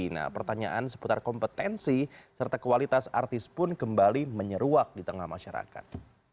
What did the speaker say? nah pertanyaan seputar kompetensi serta kualitas artis pun kembali menyeruak di tengah masyarakat